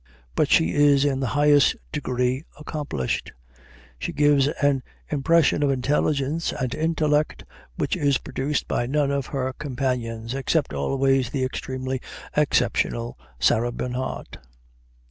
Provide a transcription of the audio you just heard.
But she is in the highest degree accomplished; she gives an impression of intelligence and intellect which is produced by none of her companions excepting always the extremely exceptional Sarah Bernhardt.